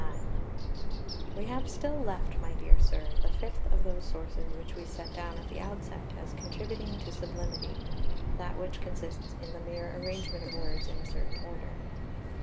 XXXIX We have still left, my dear sir, the fifth of those sources which we set down at the outset as contributing to sublimity, that which consists in the mere arrangement of words in a certain order.